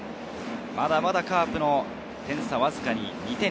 まだまだカープの点差はわずかに２点。